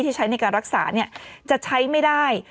ใช้ในการรักษาจะใช้ไม่ได้